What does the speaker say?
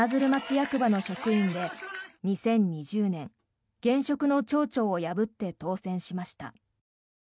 役場の職員で２０２０年、現職の町長を破って当選しました。